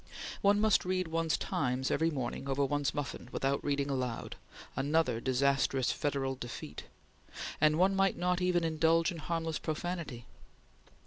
One must read one's Times every morning over one's muffin without reading aloud "Another disastrous Federal Defeat"; and one might not even indulge in harmless profanity.